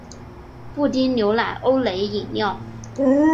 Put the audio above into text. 布丁牛奶欧蕾饮料